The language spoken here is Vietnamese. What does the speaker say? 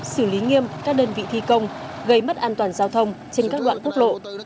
xử lý nghiêm các đơn vị thi công gây mất an toàn giao thông trên các đoạn quốc lộ